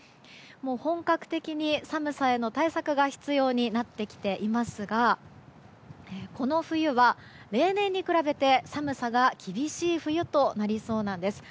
もう本格的に寒さへの対策が必要になってきていますがこの冬は、例年に比べて寒さが厳しい冬となりそうです。